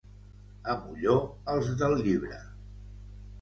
A Molló, els del llibre.